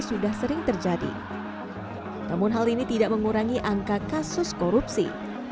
sudah sering terjadi namun hal ini tidak mengurangi angka kasus korupsi